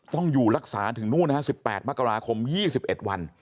ต้องอยู่รักษาถึงนู่นนะฮะสิบแปดประกราคมยี่สิบเอ็ดวัน